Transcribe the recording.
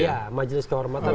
ya majelis kehormatan